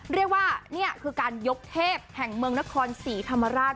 เรียกว่านี่คือการยกเทพแห่งเมืองนครศรีธรรมราช